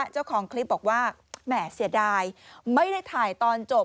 เจ้าของคลิปบอกว่าแหม่เสียดายไม่ได้ถ่ายตอนจบ